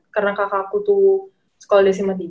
karena kakak aku tuh sekolah di sma tiga